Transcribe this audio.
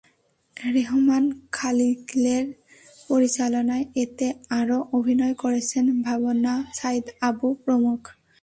রেহমান খালিলের পরিচালনায় এতে আরও অভিনয় করেছেন ভাবনা, সাঈদ বাবু প্রমুখ।